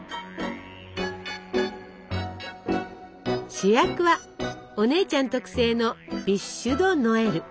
主役はお姉ちゃん特製のビッシュ・ド・ノエル。